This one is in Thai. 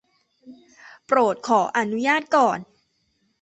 โปรดขออนุญาตก่อน